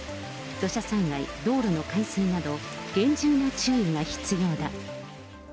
土砂災害、道路の冠水など、厳重な注意が必要だ。